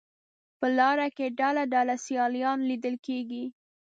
په لاره کې ډله ډله سیلانیان لیدل کېږي.